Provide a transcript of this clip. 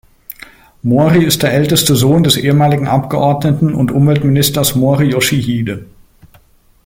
Mori ist der älteste Sohn des ehemaligen Abgeordneten und Umweltministers Mori Yoshihide.